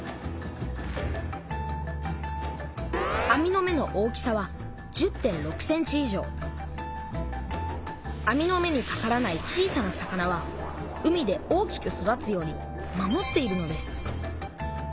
網の目の大きさは網の目にかからない小さな魚は海で大きく育つように守っているのです。